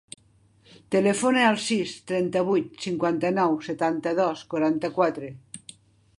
Telefona al sis, trenta-vuit, cinquanta-nou, setanta-dos, quaranta-quatre.